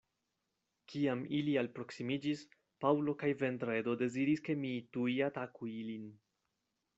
Kiam ili aproksimiĝis, Paŭlo kaj Vendredo deziris ke mi tuj ataku ilin.